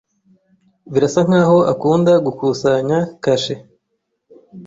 Birasa nkaho akunda gukusanya kashe.